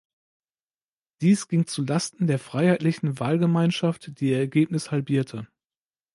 Dies ging zu Lasten der Freiheitlichen Wahlgemeinschaft, die ihr Ergebnis halbierte.